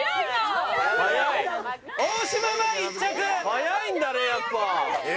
速いんだねやっぱ。